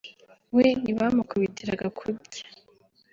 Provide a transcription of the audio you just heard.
we ntibamukubitiraga kurya